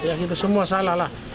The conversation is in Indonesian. ya kita semua salah lah